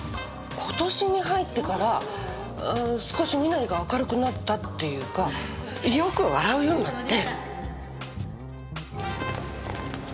今年に入ってから少し身なりが明るくなったっていうかよく笑うようになって。